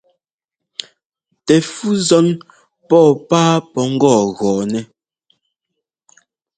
Tɛ fú zɔ́n pɔ́ɔ páa pɔ́ ŋ́gɔ́ɔgɔ́ɔnɛ́.